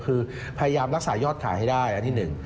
คือพยายามรักษายอดขายให้ได้อันที่๑